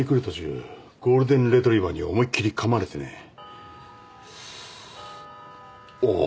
途中ゴールデンレトリバーに思いっ切りかまれてね。